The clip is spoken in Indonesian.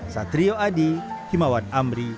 satrio adi himawan amri